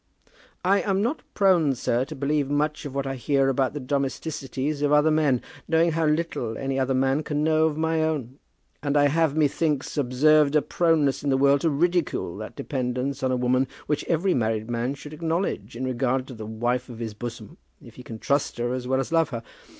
"I am not prone, sir, to believe much of what I hear about the domesticities of other men, knowing how little any other man can know of my own. And I have, methinks, observed a proneness in the world to ridicule that dependence on a woman which every married man should acknowledge in regard to the wife of his bosom, if he can trust her as well as love her.